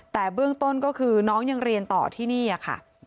แต่เบื้องต้นก็คือน้องยังเรียนต่อที่นี่ค่ะ